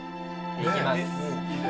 いきます。